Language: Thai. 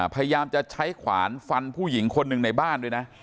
พยายามจะใช้ขวานฟันผู้หญิงคนหนึ่งในบ้านด้วยนะ